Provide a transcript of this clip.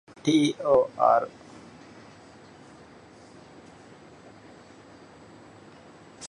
ޓީ.އޯ.އާރް.